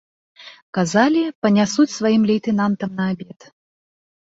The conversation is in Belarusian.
Казалі, панясуць сваім лейтэнантам на абед.